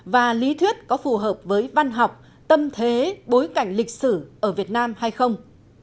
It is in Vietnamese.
và lý thuyết có phù hợp với văn học tâm thế bối cảnh lịch sử ở việt nam hay không